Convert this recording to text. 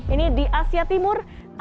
ini di asia timur